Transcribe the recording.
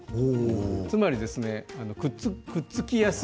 つまり、くっつきやすい。